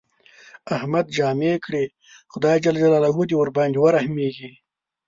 احمد جامې کړې، خدای ج دې ورباندې ورحمېږي.